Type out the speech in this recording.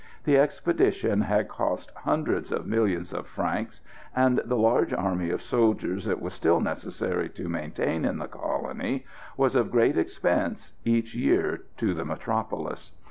The expedition had cost hundreds of millions of francs, and the large army of soldiers it was still necessary to maintain in the colony was of great expense each year to the metropolis.